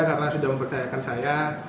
karena sudah mempercayakan saya